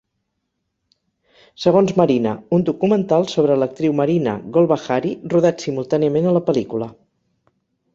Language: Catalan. Segons "Marina", un documental sobre l'actriu Marina Golbahari rodat simultàniament a la pel·lícula.